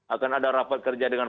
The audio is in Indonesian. akan ada rapat kerja dengan